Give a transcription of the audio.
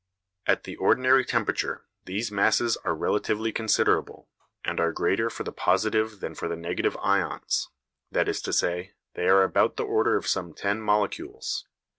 At the ordinary temperature these masses are relatively considerable, and are greater for the positive than for the negative ions, that is to say, they are about the order of some ten molecules.